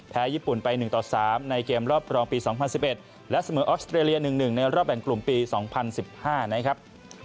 ญี่ปุ่นไป๑ต่อ๓ในเกมรอบรองปี๒๐๑๑และเสมอออสเตรเลีย๑๑ในรอบแบ่งกลุ่มปี๒๐๑๕นะครับ